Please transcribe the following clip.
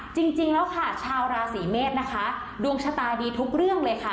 จริงแล้วค่ะชาวราศีเมษนะคะดวงชะตาดีทุกเรื่องเลยค่ะ